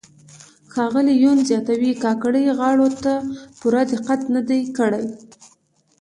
ښاغلي یون زیاتو کاکړۍ غاړو ته پوره دقت نه دی کړی.